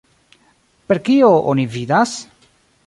Per kio oni vidas?